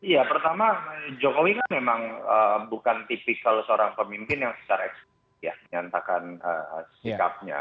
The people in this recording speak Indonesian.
ya pertama jokowi kan memang bukan tipikal seorang pemimpin yang secara eksklusif ya menyatakan sikapnya